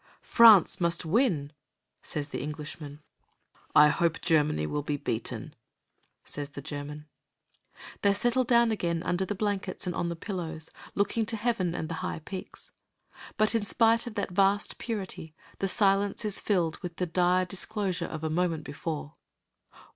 "France must win," says the Englishman. "I hope Germany will be beaten," says the German. They settle down again under the blankets and on the pillows, looking to heaven and the high peaks. But in spite of that vast purity, the silence is filled with the dire disclosure of a moment before.